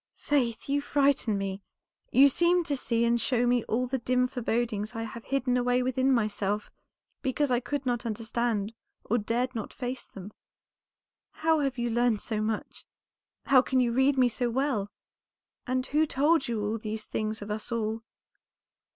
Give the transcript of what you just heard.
"Faith, you frighten me; you seem to see and show me all the dim forebodings I have hidden away within myself, because I could not understand or dared not face them. How have you learned so much? How can you read me so well? and who told you these things of us all?"